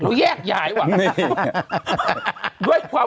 เราแยกใหญ่วะ